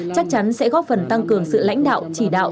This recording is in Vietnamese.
chắc chắn sẽ góp phần tăng cường sự lãnh đạo chỉ đạo